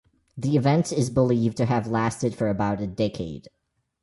The event is believed to have lasted for about a decade.